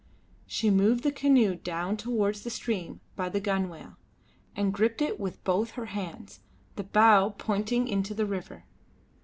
She moved the canoe down towards the stream by the gunwale, and gripped it with both her hands, the bow pointing into the river.